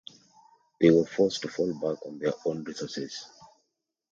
They were forced to fall back on their own resources.